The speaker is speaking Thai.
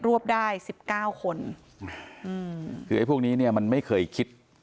วบได้สิบเก้าคนอืมคือไอ้พวกนี้เนี่ยมันไม่เคยคิด